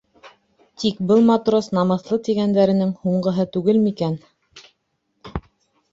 Тик был матрос намыҫлы тигәндәренең һуңғыһы түгелме икән?